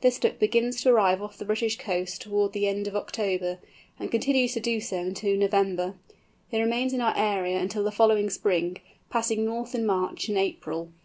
This Duck begins to arrive off the British coasts towards the end of October, and continues to do so into November. It remains in our area until the following spring, passing north in March and April.